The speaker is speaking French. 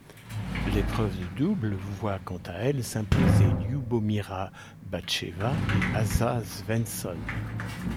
L'épreuve de double voit quant à elle s'imposer Lioubomira Batcheva et Åsa Svensson.